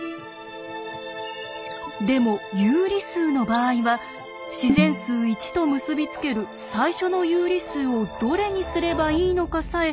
でも有理数の場合は自然数「１」と結び付ける最初の有理数をどれにすればいいのかさえ